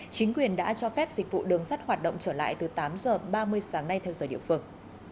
chính quyền đã cho phép dịch vụ đường sắt hoạt động trở lại từ tám h ba mươi sáng nay theo giờ địa phương